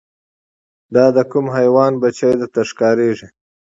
دا د کوم حیوان بچی درته ښکاریږي